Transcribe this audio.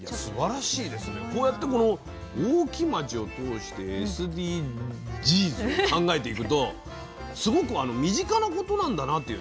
こうやって大木町を通してＳＤＧｓを考えていくとすごく身近なことなんだなという。